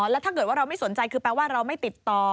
แล้วถ้าเกิดว่าเราไม่สนใจคือแปลว่าเราไม่ติดต่อ